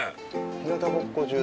日なたぼっこ中だ